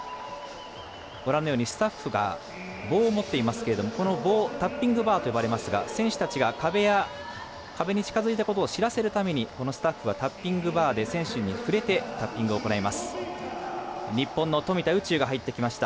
ご覧のようにスタッフが棒を持っていますけどこの棒、タッピングバーと呼ばれますが選手たちが壁に近づいたことを知らせるために、スタッフはタッピングバーで選手に触れてタッピングを行います。